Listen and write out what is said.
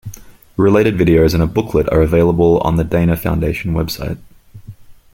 Related videos and a booklet are available on the Dana Foundation website.